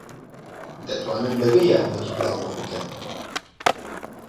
دەتوانم بەبێ یارمەتیی تۆ ئەمە بکەم.